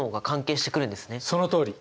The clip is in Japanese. そのとおり。